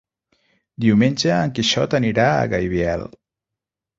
Diumenge en Quixot anirà a Gaibiel.